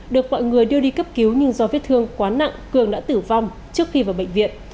được mọi người đưa đi cấp cứu nhưng do vết thương quá nặng cường đã tử vong trước khi vào bệnh viện